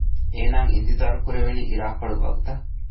އޭނާއަށް އިންތިޒާރު ކުރެވެނީ އިރާކޮޅުގެ ވަގުތަށް